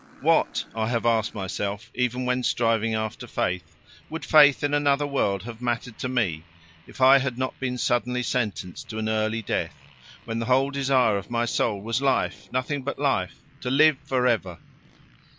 What, I have asked myself, even when striving after faith, would faith in another world have mattered to me if I had not been suddenly sentenced to an early death, when the whole desire of my soul was life, nothing but life to live for ever!